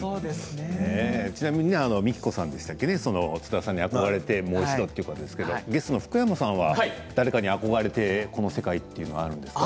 ちなみに、みきこさん津田さんに憧れてもう一度ということですけど、ゲストの福山さんは誰かに憧れてこの世界というのはあるんですか。